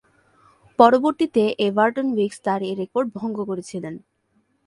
পরবর্তীতে Everton Weekes তার এ রেকর্ড ভঙ্গ করেছিলেন।